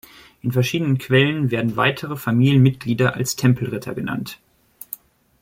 In verschiedenen Quellen werden weitere Familienmitglieder als Tempelritter genannt.